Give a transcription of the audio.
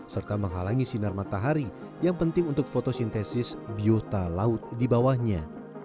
serta menghalangi sinar matahari yang penting untuk fotosintesis biota laut di bawahnya